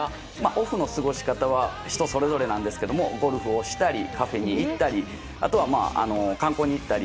オフの過ごし方は人それぞれなんですがゴルフをしたりカフェに行ったりあとは観光に行ったり。